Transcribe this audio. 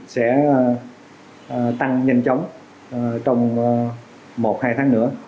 sẽ tăng nhanh chóng trong một hai tháng nữa